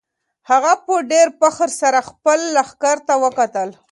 هغه په ډېر فخر سره خپل لښکر ته وکتل.